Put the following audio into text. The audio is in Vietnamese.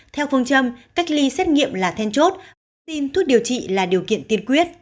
theo phương châm cách ly xét nghiệm là then chốt vaccine thuốc điều trị là điều kiện tiên quyết